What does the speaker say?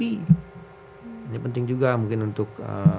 ini penting juga mungkin untuk